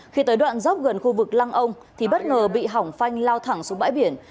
khi tới đoạn dốc gần khu vực lăng ông thì bất ngờ bị hỏng phanh lao thẳng xuống bãi biển